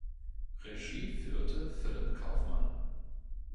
Regie führte Philip Kaufman.